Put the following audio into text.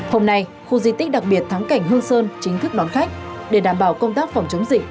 hôm nay khu di tích đặc biệt thắng cảnh hương sơn chính thức đón khách để đảm bảo công tác phòng chống dịch